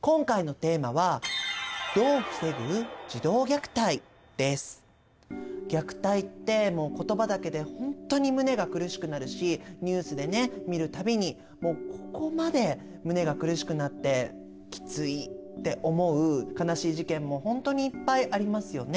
今回のテーマは虐待ってもう言葉だけで本当に胸が苦しくなるしニュースでね見る度にもうここまで胸が苦しくなってきついって思う悲しい事件も本当にいっぱいありますよね。